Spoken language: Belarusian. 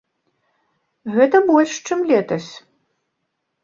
Гэта больш, чым летась.